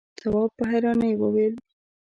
تواب په حيرانی وويل: